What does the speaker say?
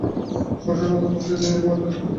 সংসার-সমুদ্র পার হইয়া তিনি জন্মমৃত্যুর অতীত হইয়া যান।